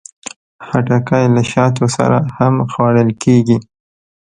خټکی له شاتو سره هم خوړل کېږي.